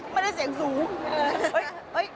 ไม่ได้เสียงสูง